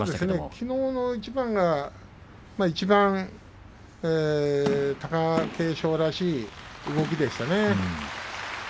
きのうの一番がいちばん貴景勝らしい動きでしたね。